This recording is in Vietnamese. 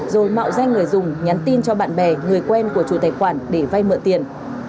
rồi mạo danh người dùng nhắn tin cho bạn bè người quen của chủ tài khoản để vay mượn tiền